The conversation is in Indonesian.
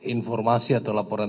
informasi atau laporan